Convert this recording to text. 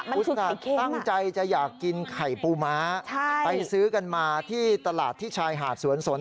ลักษณะตั้งใจจะอยากกินไข่ปูม้าไปซื้อกันมาที่ตลาดที่ชายหาดสวนสน